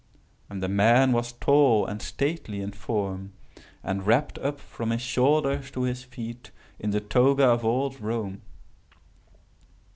And the man was tall and stately in form, and was wrapped up from his shoulders to his feet in the toga of old Rome.